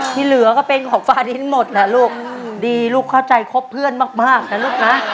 ที่เหลือก็เป็นของฟาดินหมดนะลูกดีลูกเข้าใจครบเพื่อนมากนะลูกนะ